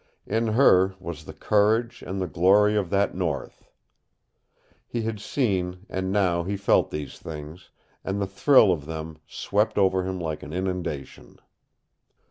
In her was the courage and the glory of that North. He had seen; and now he felt these things, and the thrill of them swept over him like an inundation.